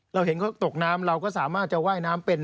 เราเห็นเขาตกน้ำเราก็สามารถจะว่ายน้ำเป็น